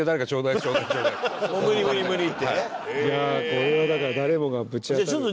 これはだから誰もがぶち当たる。